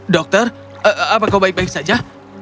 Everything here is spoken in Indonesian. dokter apa kau baik baik saja